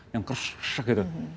yang kresek kresek gitu